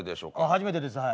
初めてですはい。